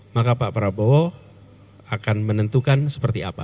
maka pak prabowo akan menentukan seperti apa